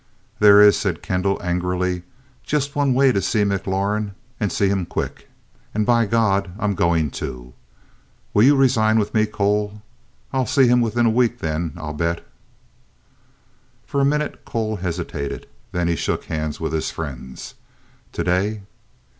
"There is," said Kendall angrily, "just one way to see McLaurin and see him quick. And, by God, I'm going to. Will you resign with me, Cole? I'll see him within a week then, I'll bet." For a minute, Cole hesitated. Then he shook hands with his friends. "Today!"